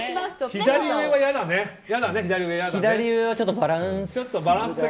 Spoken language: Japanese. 左上はちょっとバランスが。